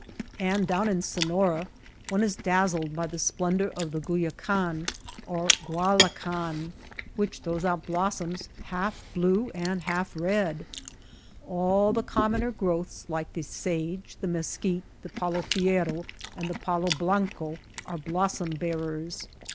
And down in Sonora one is daz zled by the splendor of the guyacan (or gual lacan) which throws out blossoms half blue and half red. All the commoner growths like the sage, the mesquite, the palo fierro, and the palo bianco, are blossom bearers.